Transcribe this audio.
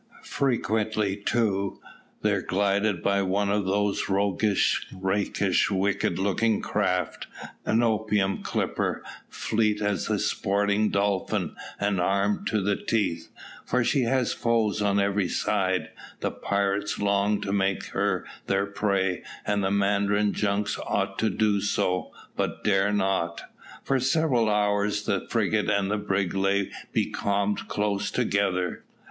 Frequently, too, there glided by one of those roguish, rakish, wicked looking craft an opium clipper, fleet as the sporting dolphin, and armed to the teeth, for she has foes on every side; the pirates long to make her their prey, and the mandarin junks ought to do so, but dare not. For several hours the frigate and the brig lay becalmed close together.